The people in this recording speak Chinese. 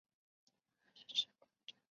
现在正进行月台幕门设置工程。